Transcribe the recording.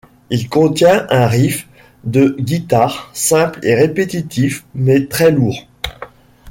Il contient un riff de guitare simple et répétitif, mais très lourd.